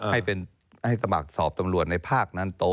ให้สมัครสอบตำรวจในภาคนั้นโต